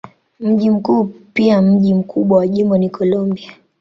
Mji mkuu pia mji mkubwa wa jimbo ni Columbia.